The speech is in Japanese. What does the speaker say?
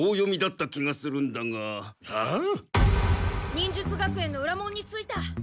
忍術学園のうら門に着いた。